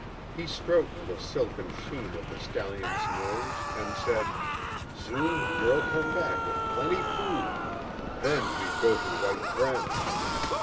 He stroked the silken sheen of the stallion's nose and said, "Soon girl come back with plenty food. Then we go to white friend."